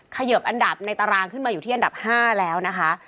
เขยิบอันดับในตารางขึ้นมาอยู่ที่อันดับ๕แล้วนะคะ